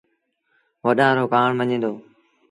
وڏآݩ رو ڪهآڻ مڃي دو